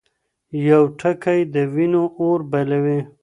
يو ټکی د وينو اور بلوي.